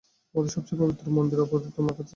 আমাদের সবচেয়ে পবিত্র মন্দিরে অপবিত্রতা মাখাচ্ছে সে।